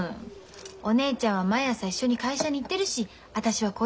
お姉ちゃんは毎朝一緒に会社に行ってるし私はこうやって飲んでるし。